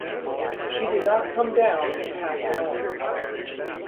She did not come down in half an hour.